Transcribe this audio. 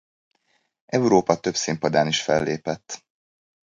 Európa több színpadán is fellépett.